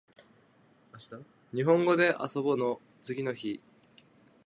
にほんごであそぼの次の日